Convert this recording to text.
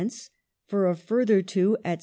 for a further two at 6d.